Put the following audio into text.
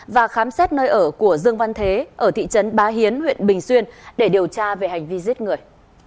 và khám xét nơi ở của dương văn thế ở thị trấn bá hiến huyện bình xuyên để điều tra về hành vi giết người